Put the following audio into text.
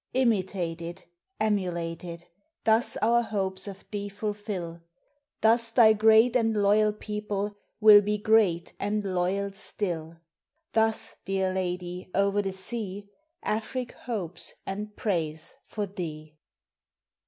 Imitate it! Emulate it! Thus our hopes of thee fulfil; Thus thy great and loyal people Will be great and loyal still. Thus, dear lady, o'er the sea Afric hopes and prays for thee!